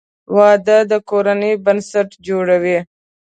• واده د کورنۍ بنسټ جوړوي.